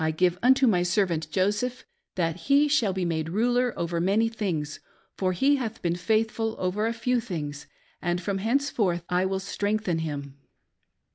give unto my servant Joseph, that he shall be made ruler over many things, for he hath been faithful over a feT* things, and from henceforth I will strengthen him.